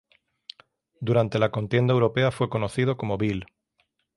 Durante la contienda europea fue conocido como Bill.